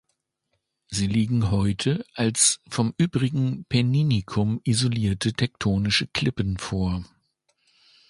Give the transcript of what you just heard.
Sie liegen heute als vom übrigen Penninikum isolierte tektonische Klippen vor.